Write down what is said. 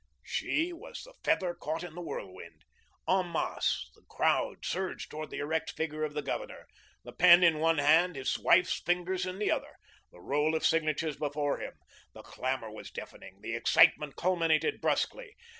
She was the feather caught in the whirlwind. En masse, the crowd surged toward the erect figure of the Governor, the pen in one hand, his wife's fingers in the other, the roll of signatures before him. The clamour was deafening; the excitement culminated brusquely.